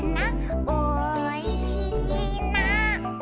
「おいしいな」